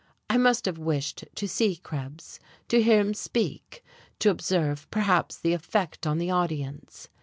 I must have wished to see Krebs, to hear him speak; to observe, perhaps, the effect on the audience.